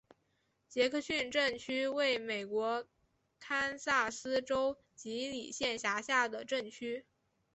杰克逊镇区为美国堪萨斯州吉里县辖下的镇区。